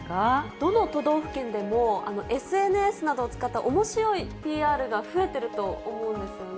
どの都道府県でもＳＮＳなどを使ったおもしろいＰＲが増えてると思うんですよね。